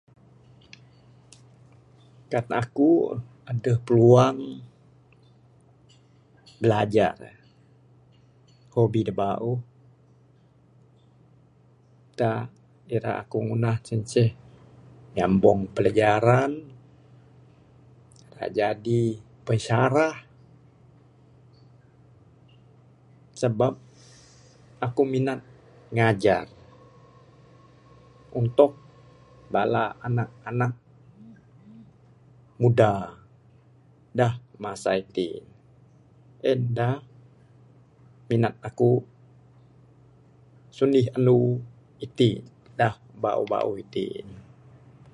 Kan aku aduh peluang bilajar hobi da bauh da ira aku ngunah sien inceh nyambung pelajaran, ra jadi pensyarah, sebab aku minat ngajar, untuk bala anak-anak muda da masa iti. En da minat aku sundih andu iti da bauh bauh iti.